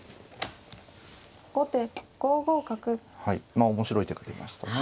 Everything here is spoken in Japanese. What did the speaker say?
まあ面白い手が出ましたね。